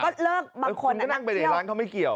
ก็เลิกบางคนคุณก็นั่งไปเดี๋ยวร้านเขาไม่เกี่ยว